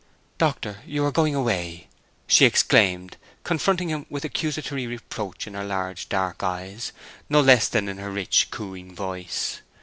"Doctor, you are going away," she exclaimed, confronting him with accusatory reproach in her large dark eyes no less than in her rich cooing voice.